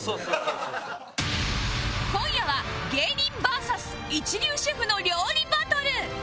今夜は芸人 ＶＳ 一流シェフの料理バトル！